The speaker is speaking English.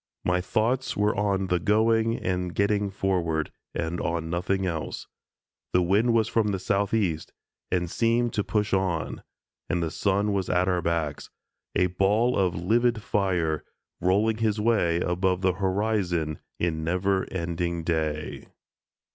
My thoughts were on the going and getting forward, and on nothing else. The wind was from the southeast, and seemed to push on, and the sun was at our backs, a ball of livid fire, rolling his way above the horizon in never ending day.